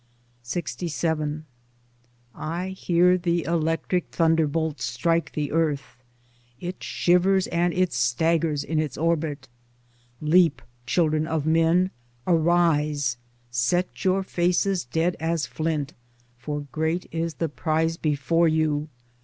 LXVII I hear the electric thunderbolt strike the earth. It shivers and it staggers in its orbit. Leap, children of men, arise ! Set your faces dead as flint. For great is the prize before you.